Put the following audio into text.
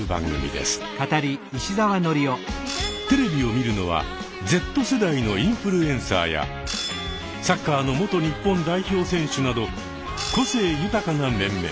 テレビを見るのはＺ世代のインフルエンサーやサッカーの元日本代表選手など個性豊かな面々。